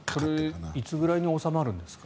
それはいつぐらいに収まるんですか？